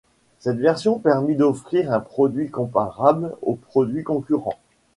Cette version permit d'offrir un produit comparable aux produits concurrents.